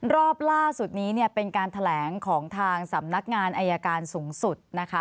รอบล่าสุดนี้เนี่ยเป็นการแถลงของทางสำนักงานอายการสูงสุดนะคะ